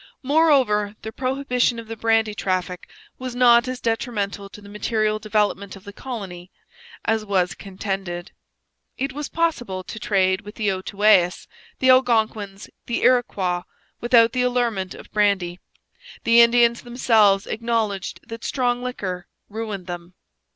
Moreover the prohibition of the brandy traffic was not as detrimental to the material development of the colony as was contended. It was possible to trade with the Outaouais, the Algonquins, the Iroquois, without the allurement of brandy. The Indians themselves acknowledged that strong liquor ruined them.